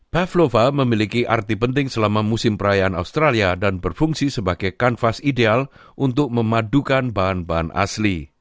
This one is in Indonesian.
pavlova memiliki arti penting selama musim perayaan australia dan berfungsi sebagai kanvas ideal untuk memadukan bahan bahan asli